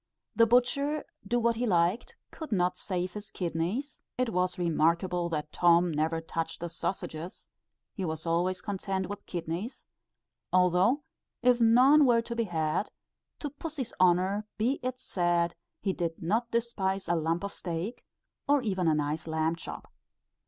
The butcher, do what he liked, could not save his kidneys, it was remarkable that Tom never touched the sausages, he was always content with kidneys, although if none were to be had, to pussy's honour be it said, he did not despise a lump of steak or even a nice lamb chop.